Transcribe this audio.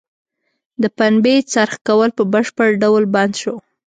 د پنبې څرخ کول په بشپړه ډول بند شو.